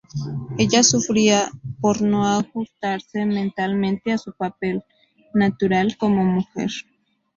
Ella sufría por no ajustarse mentalmente a su papel "natural" como mujer.